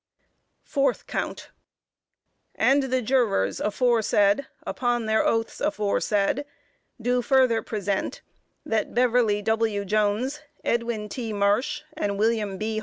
Fourth Count: And the Jurors aforesaid, upon their oaths aforesaid, do further present, that Beverly W. Jones, Edwin T. Marsh and William B.